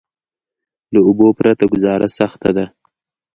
له اوبو پرته ګذاره سخته ده.